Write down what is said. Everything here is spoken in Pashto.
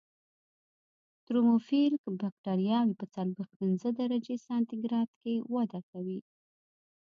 ترموفیلیک بکټریاوې په څلویښت پنځه درجې سانتي ګراد کې وده کوي.